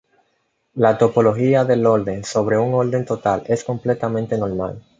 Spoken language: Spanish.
La topología del orden sobre un orden total es completamente normal.